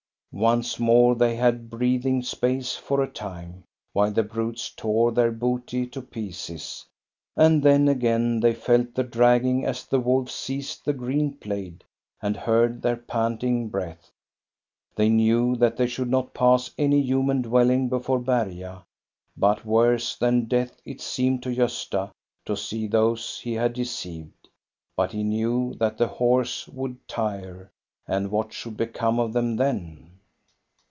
Once more they had breathing space for a time, while the brutes tore their booty to pieces, and then again they felt the dragging as the wolves seized the green plaid, and heard their panting breath. They knew that they should not pass any human dwelling GOSTA BERLING, POET 75 before Berga, but worse than death it seemed to Gosta to see those he had deceived. But he knew that the horse would tire, and what should become of them then?